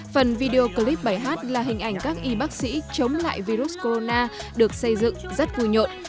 phần video clip bài hát là hình ảnh các y bác sĩ chống lại virus corona được xây dựng rất vui nhộn